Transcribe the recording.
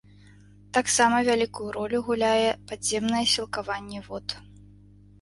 Таксама вялікую ролю гуляе падземнае сілкаванне вод.